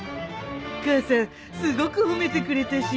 母さんすごく褒めてくれたし。